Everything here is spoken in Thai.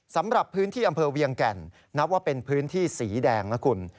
สำหรับพื้นที่อำเภอเวียงแก่นนับว่าเป็นพื้นที่สีแดงนะคุณ